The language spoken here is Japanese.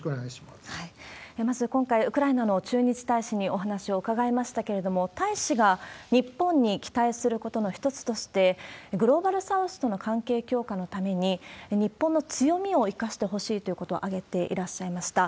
まず、今回ウクライナの駐日大使にお話を伺いましたけれども、大使が日本に期待することの一つとして、グローバルサウスとの関係強化のために、日本の強みを生かしてほしいということを挙げていらっしゃいました。